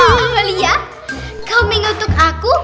amalia kau mengutuk aku